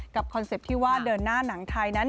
คอนเซ็ปต์ที่ว่าเดินหน้าหนังไทยนั้น